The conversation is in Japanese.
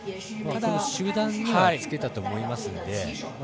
集団にはつけたと思いますので。